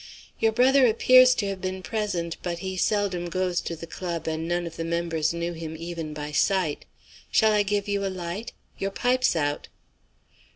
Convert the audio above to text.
Your brother appears to have been present but he seldom goes to the club, and none of the members knew him even by sight. Shall I give you a light? Your pipe's out."